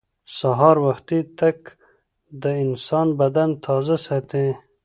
سهار وختي تګ د انسان بدن تازه ساتي